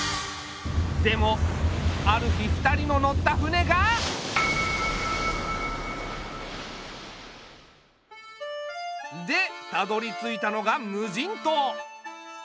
でもある日２人の乗った船が。でたどりついたのが無人島。